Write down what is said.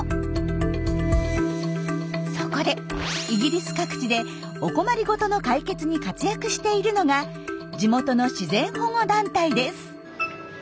そこでイギリス各地でお困り事の解決に活躍しているのが地元の自然保護団体です。